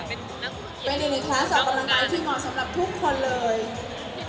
เป็นในคลาสอบกำลังไกลที่เหมาะสำหรับทุกคนเลย